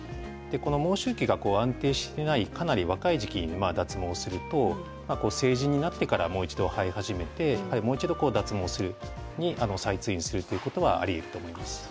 毛周期が安定していないかなり若い時期に脱毛をしてしまうと成人になってからもう一度生え始めてもう一度脱毛をする再通院するということがあります。